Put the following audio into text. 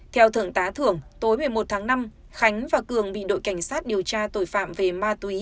theo thượng tá thưởng tối một mươi một tháng năm khánh và cường bị đội cảnh sát điều tra tội phạm về ma túy